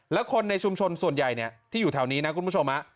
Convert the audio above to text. แล้วคนในชุมชนส่วนใหญ่ที่อยู่แถวนี้นะคุณผู้ชม